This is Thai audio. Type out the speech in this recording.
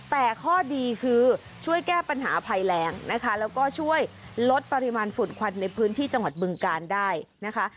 แต่ข้อดีคือช่วยแก้ปัญหาภัยแรงนะคะแล้วก็ช่วยลดปริมาณฝุ่นควันในพื้นที่จังหวัดบึงการได้นะคะ